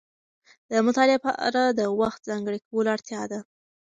د مطالعې لپاره د وخت ځانګړی کولو اړتیا ده.